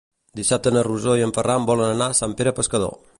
Dissabte na Rosó i en Ferran volen anar a Sant Pere Pescador.